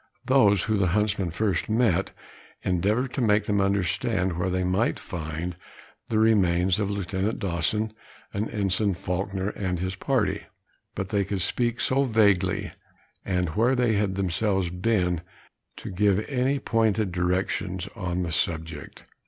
Those who the huntsman first met endeavored to make them understand where they might find the remains of Lieutenant Dawson, and Ensign Faulkner and his party, but they could speak too vaguely of where they had themselves been, to give any pointed directions on the subject.